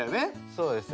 そうですね。